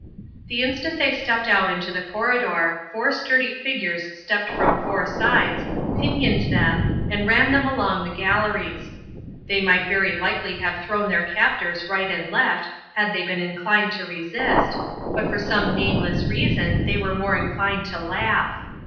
The instant they stepped out into the corridor four sturdy figures stepped from four sides, pinioned them, and ran them along the galleries. They might very likely have thrown their captors right and left had they been inclined to resist, but for some nameless reason they were more inclined to laugh.